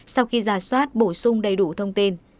sau khi giả soát bổ sung đầy đủ thông tin